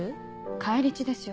返り血ですよ